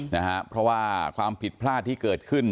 นะฮะเพราะว่าความผิดพลาดที่เกิดขึ้น